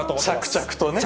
着々とね。